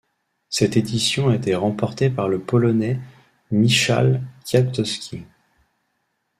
Cette édition a été remportée par le Polonais Michał Kwiatkowski.